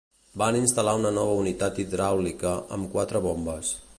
Van instal·lar una nova unitat hidràulica amb quatre bombes.